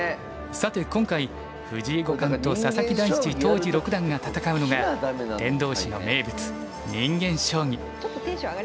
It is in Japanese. さて今回藤井五冠と佐々木大地当時六段が戦うのが天童市の名物人間将棋。